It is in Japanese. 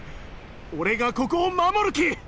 俺がここを守るけ！